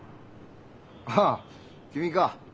ああ君か。